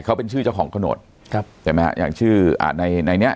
เขาเป็นชื่อเจ้าของครับเห็นไหมฮะอย่างชื่ออ่ะในในนี้